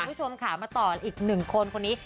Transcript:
คุณผู้ชมค่ะมาต่ออีกหนึ่งคนคนนี้